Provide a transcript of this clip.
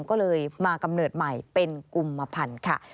ก็เลยมากำเนิดใหม่เป็นกุมพันธ์ค่ะ